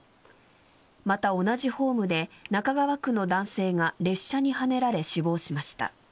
また、同じホームで中川区の男性が列車にはねられ死亡しました。